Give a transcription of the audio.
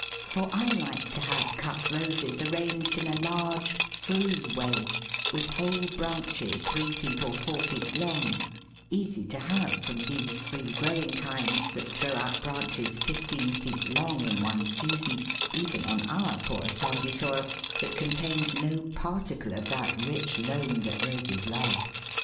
For I like to have cut Roses arranged in a large, free way, with whole branches three feet or four feet long, easy to have from these free growing kinds, that throw out branches fifteen feet long in one season, even on our poor, sandy soil, that contains no particle of that rich loam that Roses love.